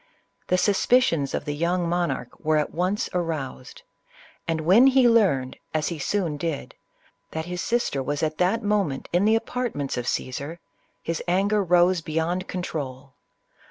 The suspicions of the young monarch were at once aroused, and when he learned, as he soon did, that his sister was at that mo ment in the apartments of Caesar, his anger rose be yond control.